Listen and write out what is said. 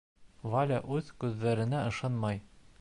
Валя үҙ күҙҙәренә ышанмай.